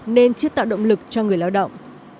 nên chưa tạo động lực cho người lao động